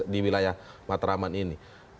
di wilayah matraman ini